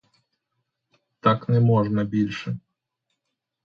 Так не можна більше.